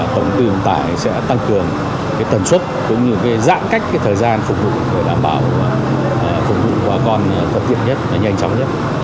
chúng tôi sẽ tăng cường tần suất cũng như giãn cách thời gian phục vụ để đảm bảo phục vụ hóa con thật tiện nhất và nhanh chóng nhất